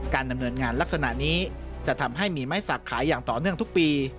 ดำเนินงานลักษณะนี้จะทำให้มีไม้สักขายอย่างต่อเนื่องทุกปี